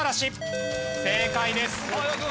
正解です。